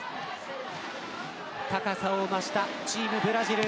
高さを増したチームブラジル。